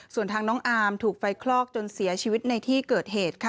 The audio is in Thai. ส่วนทางน้องอาร์มถูกไฟคลอกจนเสียชีวิตในที่เกิดเหตุค่ะ